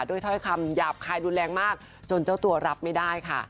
ถ้อยคำหยาบคายรุนแรงมากจนเจ้าตัวรับไม่ได้ค่ะ